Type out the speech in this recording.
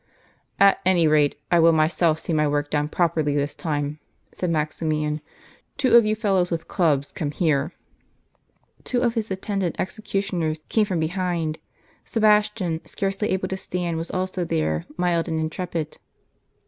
" At any rate, I will myself see my work done properly this time," said Maximian. " Two of you fellows with clubs come here." Two of his attendant executioners came from behind; Sebastian, scarcely able to stand, was also there; mild and intrepid.